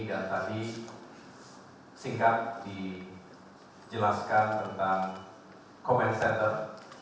dan tadi singkat dijelaskan tentang comment center